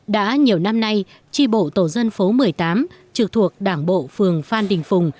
đã nhiều năm nay tri bộ tổ dân phố một mươi tám trực thuộc đảng bộ phường phan đình phùng